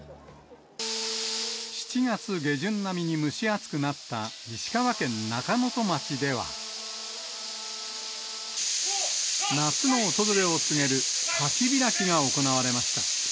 ７月下旬並みに蒸し暑くなった石川県中能登町では、夏の訪れを告げる滝開きが行われました。